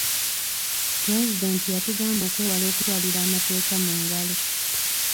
Pulezidenti yatugamba okwewala okutwalira amateeka mu ngalo.